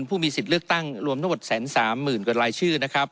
ผู้มีสิทธิ์เลือกตั้งรวมทั้งหมด๑๓๐๐๐กว่ารายชื่อนะครับ